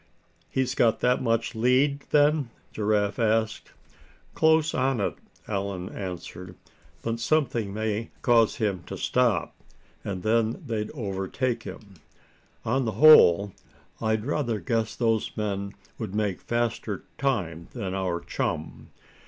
"He's got that much lead, then?" Giraffe asked. "Close on it," Allan answered. "But something may cause him to stop, and then they'd overtake him. On the whole, I'd rather guess those men would make faster time than our chum."